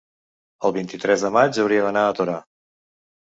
el vint-i-tres de maig hauria d'anar a Torà.